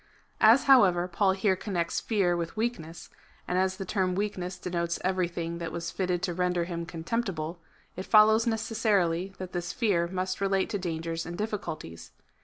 ^ As, however, Paul here connects fear with weakness, and as the term weakness denotes everything that was fitted to render him contemptible, it follows necessarily that this fear must relate to dangers and difficulties.